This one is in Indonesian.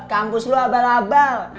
kampus lu abal abal